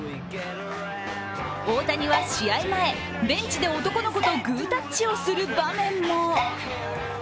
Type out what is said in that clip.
大谷は試合前、ベンチで男の子とグータッチをする場面も。